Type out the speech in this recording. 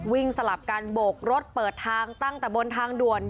สลับกันโบกรถเปิดทางตั้งแต่บนทางด่วน